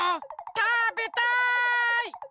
たべたい！